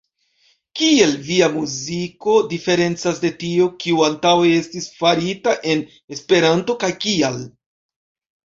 Kiel via muziko diferencas de tio, kio antaŭe estis farita en Esperanto, kaj kial?